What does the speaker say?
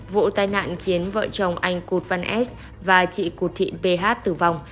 vụ tai nạn khiến vợ chồng anh cụt văn s và chị cụt thị b h tử vong